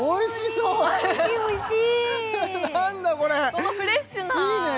このフレッシュないいね